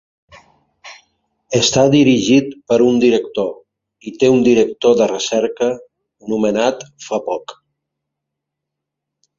Està dirigit per un director, i té un director de Recerca nomenat fa poc.